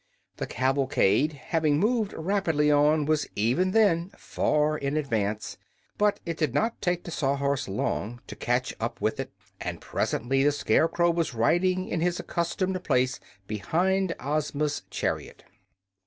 The cavalcade, having moved rapidly on, was even then far in advance; but it did not take the Sawhorse long to catch up with it, and presently the Scarecrow was riding in his accustomed place behind Ozma's chariot.